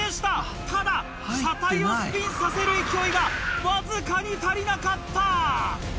ただ車体をスピンさせる勢いがわずかに足りなかった。